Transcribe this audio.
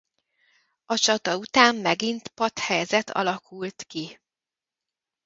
A csata után megint patthelyzet alakult ki.